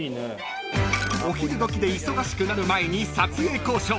［お昼時で忙しくなる前に撮影交渉］